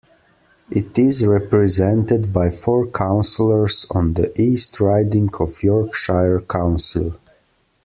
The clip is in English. It is represented by four councillors on the East Riding of Yorkshire Council.